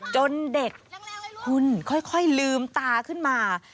จนเด็กคุณค่อยลืมตาขึ้นมา